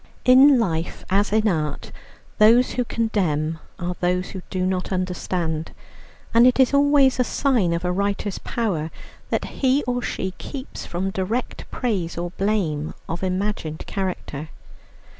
In life as in art those who condemn are those who do not understand; and it is always a sign of a writer's power, that he or she keeps from direct praise or blame of imagined character.